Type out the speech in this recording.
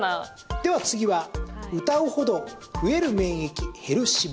では次は、「歌うほど増える免疫減る脂肪」。